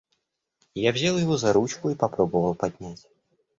Я взял его за ручку и попробовал поднять.